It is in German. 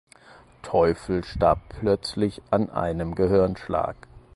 Teufel starb plötzlich an einem Gehirnschlag.